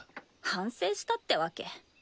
反省したってわけ？